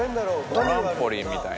トランポリンみたい。